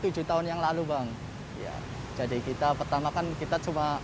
jadi kita pertama kan kita sumberkan